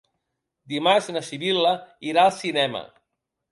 Dimarts na Sibil·la irà al cinema.